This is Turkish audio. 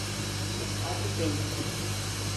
Artık benim.